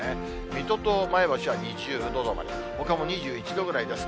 水戸と前橋は２０度止まり、ほかも２１度ぐらいです。